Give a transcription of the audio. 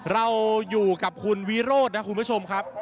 เราอยู่กับคุณวิโรธนะคุณผู้ชมครับ